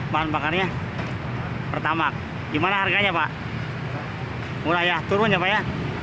bahan bakarnya pertama gimana harganya pak mulai turun ya pak ya